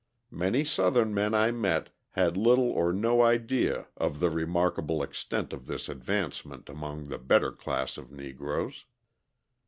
Many Southern men I met had little or no idea of the remarkable extent of this advancement among the better class of Negroes.